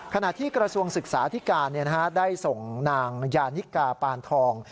ขณะที่กระทรวงศึกษาธิการได้ส่งนางยานิกาปานทอง